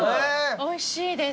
おいしいです。